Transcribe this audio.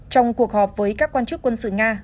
trong cuộc họp với các quan chức quân sự nga